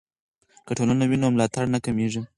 که ټولنه وي نو ملاتړ نه کمېږي.